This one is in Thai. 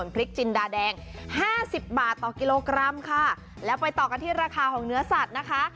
พริกจินดาแดงห้าสิบบาทต่อกิโลกรัมค่ะแล้วไปต่อกันที่ราคาของเนื้อสัตว์นะคะ